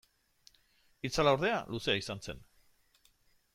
Itzala, ordea, luzea izan zen.